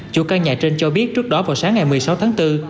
chủ căn nhà trên cho biết trước đó vào sáng ngày một mươi sáu tháng bốn